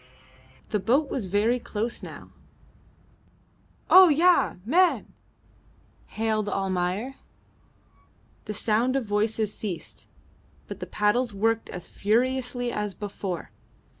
The boat was very close now. "Oh, ya! Man!" hailed Almayer. The sound of voices ceased, but the paddles worked as furiously as before.